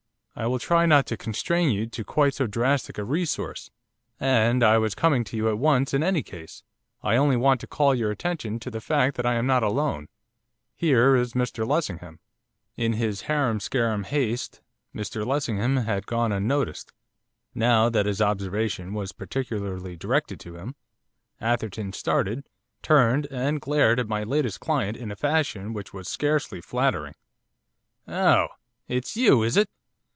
'I will try not to constrain you to quite so drastic a resource, and I was coming to you at once in any case. I only want to call your attention to the fact that I am not alone. Here is Mr Lessingham.' In his harum scarum haste Mr Lessingham had gone unnoticed. Now that his observation was particularly directed to him, Atherton started, turned, and glared at my latest client in a fashion which was scarcely flattering. 'Oh! It's you, is it?